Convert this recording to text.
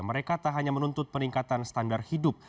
mereka tak hanya menuntut peningkatan standar hidup